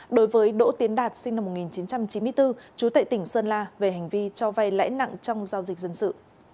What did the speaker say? đối với đỗ tiến đạt sinh năm một nghìn chín trăm chín mươi bốn chú tệ tỉnh sơn la về hành vi cho vay lãi nặng trong giao dịch dân sự